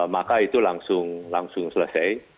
maka itu langsung selesai